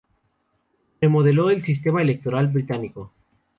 Remodeló el sistema electoral británico.